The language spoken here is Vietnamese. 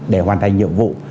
để hoàn thành nhiệm vụ